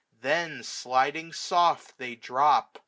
Then, sliding soft, they drop.